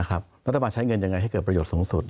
รัฐบาลใช้เงินยังไงให้เกิดประโยชน์สูงสุด